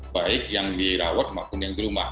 baik yang dirawat maupun yang di rumah